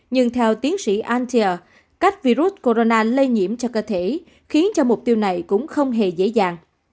nhưng theo tiến sĩ antia cách virus corona lây nhiễm cho cơ thể khiến cho mục tiêu này cũng không hề dễ dàng